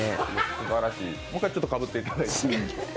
もう一回かぶっていただいて。